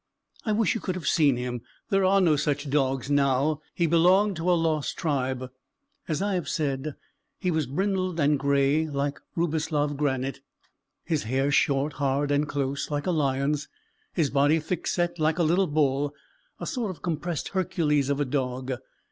I wish you could have seen him. There are no such dogs now. He belonged to a lost tribe. As I have said, he was brindled and gray like Rubislaw granite; his hair short, hard, and close, like a lion's; his body thick set like a little bull a sort of compressed Hercules of a dog.